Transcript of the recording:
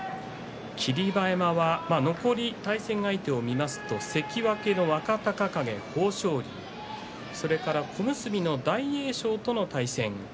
霧馬山は残り対戦相手を見ると関脇の若隆景、豊昇龍それから小結の大栄翔との対戦。